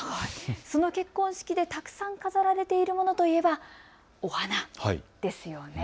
その結婚式でたくさん飾られているものといえばお花ですよね。